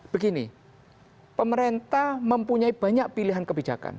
begini pemerintah mempunyai banyak pilihan kebijakan